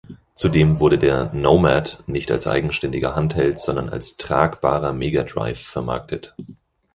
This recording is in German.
Zudem wurde der Nomad nicht als eigenständiger Handheld, sondern als tragbarer Mega Drive vermarktet.